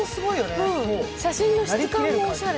写真の質感もおしゃれ。